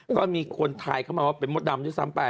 ก็มีคนทายเข้ามาว่าเป็นมดดำด้วยซ้ำไป